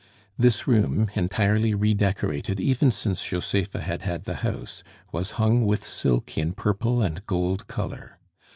This room, entirely redecorated even since Josepha had had the house, was hung with silk in purple and gold color.